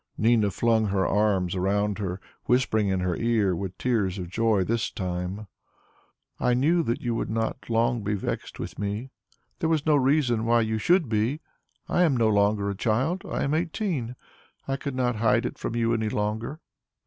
Nina flung her arms around her, whispering in her ear, with tears of joy this time: "I knew that you would not long be vexed with me; there was no reason why you should be, I am no longer a child; I am eighteen; I could not hide it from you any longer."